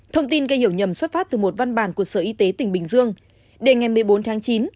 thông tin gây hiểu nhầm xuất phát từ một văn bản của sở y tế tỉnh bình dương đến ngày một mươi bốn tháng chín